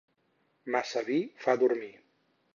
Massa vi fa dormir.